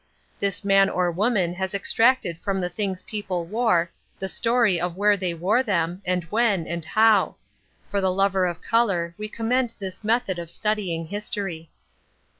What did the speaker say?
This man or woman has extracted from the things people wore the story of where they wore them, and when, and how; for the lover of colour we commend this method of studying history.